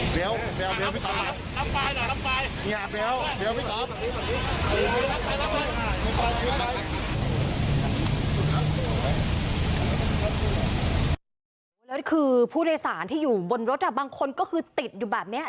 และอีกหน้านี้คือผู้เรียกสารที่อยู่บนรถบางคนก็คือติดอยู่แบบนี้